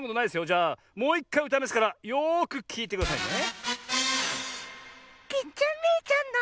じゃあもういっかいうたいますからよくきいてくださいね。